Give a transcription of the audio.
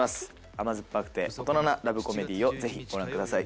甘酸っぱくて大人なラブコメディーをぜひご覧ください。